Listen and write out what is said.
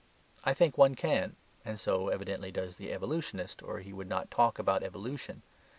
I think one can, and so evidently does the evolutionist, or he would not talk about evolution.